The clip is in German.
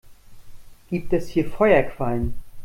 Gibt es hier Feuerquallen?